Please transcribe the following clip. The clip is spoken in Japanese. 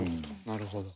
なるほど。